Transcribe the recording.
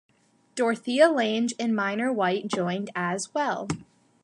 Dorothea Lange and Minor White joined as well.